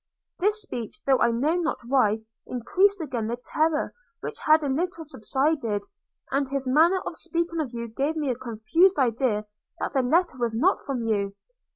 This speech, though I know not why, increased again the terror which had a little subsided; and his manner of speaking of you gave me a confused idea that the letter was not from you.